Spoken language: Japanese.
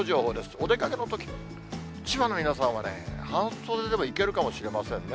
お出かけのとき、千葉の皆さんはね、半袖でもいけるかもしれませんね。